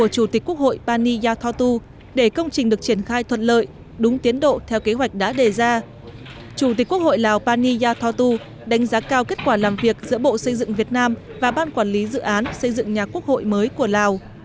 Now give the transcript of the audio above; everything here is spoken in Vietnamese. chủ tịch quốc hội lào pani yathotu đánh giá cao kết quả làm việc giữa bộ xây dựng việt nam và ban quản lý dự án xây dựng nhà quốc hội mới của lào